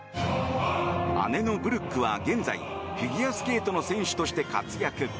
姉のブルックは現在、フィギュアスケートの選手として活躍。